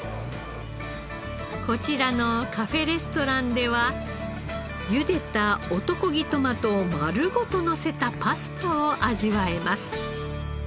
こちらのカフェレストランでは茹でた男気トマトを丸ごとのせたパスタを味わえます。